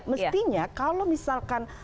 mestinya kalau misalkan